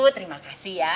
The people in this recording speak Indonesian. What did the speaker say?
terima kasih ya